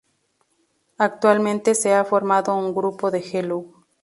Actualmente se ha formado un grupo de Hello!